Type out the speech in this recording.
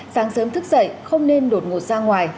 sáng sớm thức dậy không nên đột ngột ra ngoài